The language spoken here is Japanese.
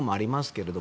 けれど